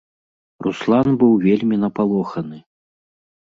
Руслан быў вельмі напалоханы.